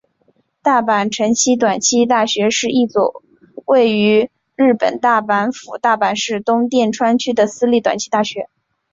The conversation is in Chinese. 大阪成蹊短期大学是一所位于日本大阪府大阪市东淀川区的私立短期大学。